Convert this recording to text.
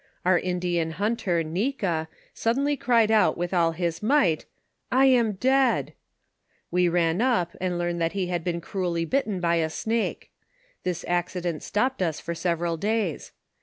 Onr Indian hunter ISTika suddenly cried out with all his might, " I am dead I" We ran up and learned that he had been cruelly bitten by a snake; this accident stopped us for several days.